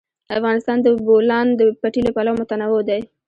افغانستان د د بولان پټي له پلوه متنوع دی.